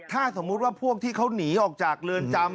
ถ้าสมมุติว่าพวกที่เขาหนีออกจากเรือนจำ